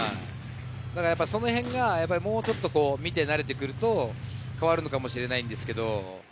そのへんがもうちょっと見て慣れてくると変わるのかもしれないんですけど。